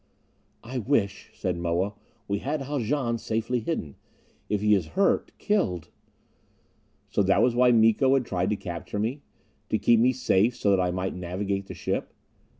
"I wish," said Moa, "we had Haljan safely hidden. If he is hurt killed " So that was why Miko had tried to capture me? To keep me safe so that I might navigate the ship.